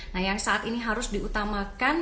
nah yang saat ini harus diutamakan